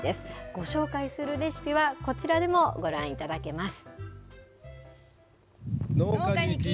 ご紹介するレシピはこちらでもご覧いただけます。